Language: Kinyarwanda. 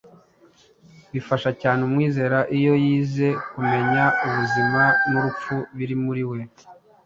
Bifasha cyane umwizera iyo yize kumenya ubuzima n’urupfu biri muri we.